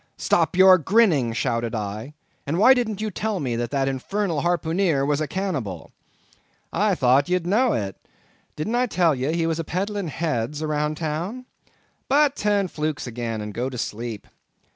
"Stop your grinning," shouted I, "and why didn't you tell me that that infernal harpooneer was a cannibal?" "I thought ye know'd it;—didn't I tell ye, he was a peddlin' heads around town?—but turn flukes again and go to sleep.